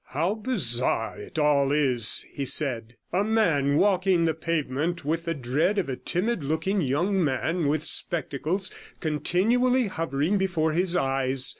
'How bizarre it all is!' he said, 'a man walking the pavement with the dread of a timid looking young man with spectacles continually hovering before his eyes.